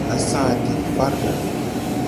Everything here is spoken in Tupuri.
Á sa̧a̧n diŋ farda.